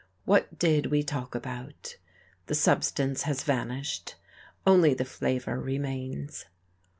What did we talk about? The substance has vanished, only the flavour remains.